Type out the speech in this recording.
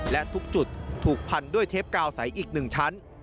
และทุกจุดถูกพันด้วยเทปกาวใสอีก๑ชั้น